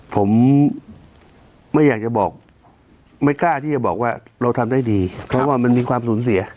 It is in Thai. ผมไม่กล้าที่จะบอกว่าเราทำได้ดีเพราะมันมีความสูญเสีย